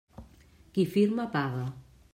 Qui firma, paga.